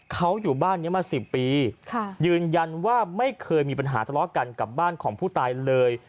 เขาอยู่บ้านนี้มา๑๐ปียืนยันว่าไม่เคยมีปัญหาทะเลาะกันกับบ้านของผู้ตายเลย